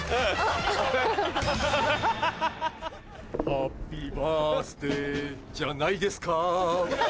ハッピーバースデーじゃないですか？